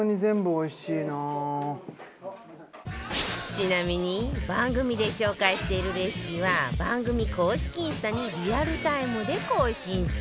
ちなみに番組で紹介しているレシピは番組公式インスタにリアルタイムで更新中